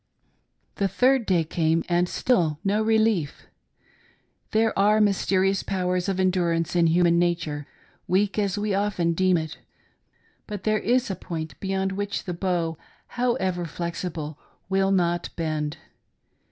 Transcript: " The third day came, and still no relief. ' There are mys terious powers of endurance in human nature, weak as we often deem it, but there is a point beyond which the bow, however flexible, will not bend.